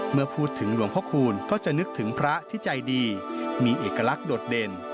เมื่อพูดถึงหลวงพระคูณก็จะนึกถึงพระที่ใจดีมีเอกลักษณ์โดดเด่น